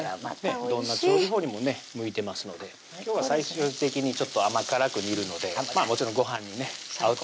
どんな調理法にもね向いてますので今日は最終的に甘辛く煮るのでもちろんごはんに合うと思います